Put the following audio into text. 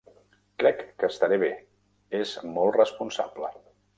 Crec que estarà bé. És molt responsable.